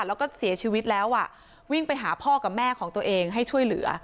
แล้วก็เสียชีวิตแล้วอ่ะวิ่งไปหาพ่อกับแม่ของตัวเองให้ช่วยเหลือ